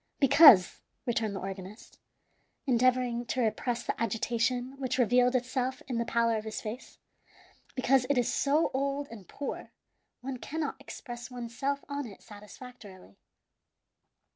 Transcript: "Because," returned the organist, endeavoring to repress the agitation which revealed itself in the pallor of his face "because it is so old and poor; one cannot express one's self on it satisfactorily."